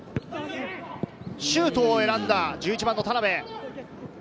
シュートを選んだ１１番の田邉。